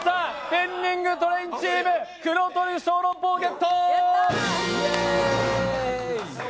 「ペンディングトレイン」チーム黒トリュフ小籠包ゲット！